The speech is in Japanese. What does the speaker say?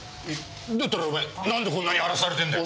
だったらお前なんでこんなに荒らされてんだ？